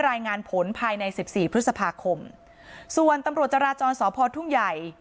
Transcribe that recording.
รายงานผลภายในสิบสี่พฤษภาคมส่วนตำรวจจราจรสพทุ่งใหญ่